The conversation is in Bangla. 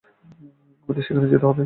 আমাদের সেখানে যেতে হবে।